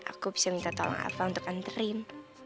aku bisa minta tolong apa untuk anterin